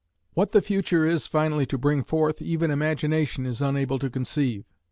What the future is finally to bring forth even imagination is unable to conceive.